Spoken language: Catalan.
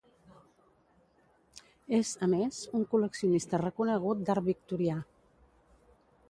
És, a més, un col·leccionista reconegut d'Art Victorià.